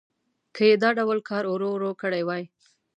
که یې دا ډول کار ورو ورو کړی وای.